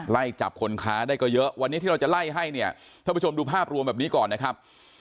ไล่จับคนค้าได้ก็เยอะวันนี้ที่เราจะไล่ให้เนี่ยท่านผู้ชมดูภาพรวมแบบนี้ก่อนนะครับ